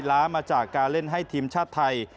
ล้ามาจากการเล่นให้ทีมชาติไทย